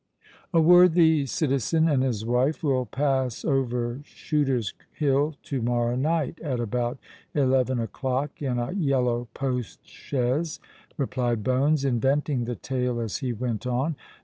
"A worthy citizen and his wife will pass over Shooter's Hill to morrow night, at about eleven o'clock, in a yellow post chaise," replied Bones, inventing the tale as he went on.